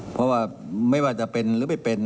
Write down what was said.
เพราะว่าไม่ว่าจะเป็นหรือไม่เป็น